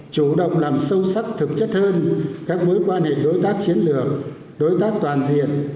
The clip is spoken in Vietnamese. chủ động làm sâu sắc thực chất hơn các mối quan hệ đối tác chiến lược đối tác toàn diện